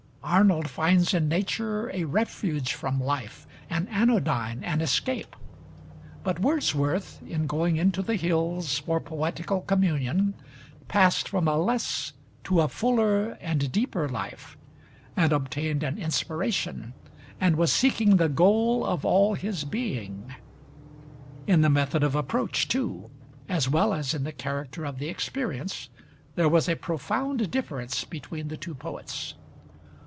Arnold finds in nature a refuge from life, an anodyne, an escape; but Wordsworth, in going into the hills for poetical communion, passed from a less to a fuller and deeper life, and obtained an inspiration, and was seeking the goal of all his being. In the method of approach, too, as well as in the character of the experience, there was a profound difference between the two poets.